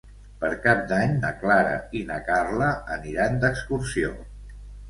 Per Cap d'Any na Clara i na Carla aniran d'excursió.